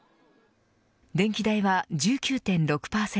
電気代は１９．６％